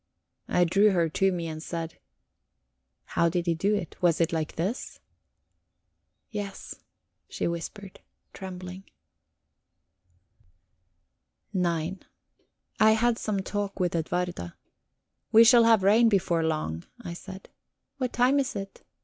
I drew her to me and said: "How did he do it? Was it like this?" "Yes," she whispered, trembling. IX I had some talk with Edwarda. "We shall have rain before long," I said. "What time is it?"